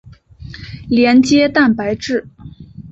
连接蛋白。